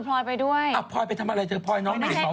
พลอยไปด้วยพลอยไปทำอะไรพลอยน้องมีดเปล่าที่หนะ